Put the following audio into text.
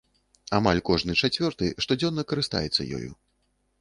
Амаль кожны чацвёрты штодзённа карыстаецца ёю.